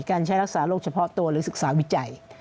การใช้รักษาโรคเฉพาะตัวหรือศึกษาวิจัย